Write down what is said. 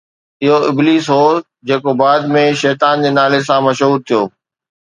اهو ابليس هو جيڪو بعد ۾ شيطان جي نالي سان مشهور ٿيو